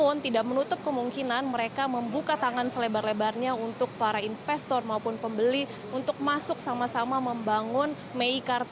namun tidak menutup kemungkinan mereka membuka tangan selebar lebarnya untuk para investor maupun pembeli untuk masuk sama sama membangun mei kartu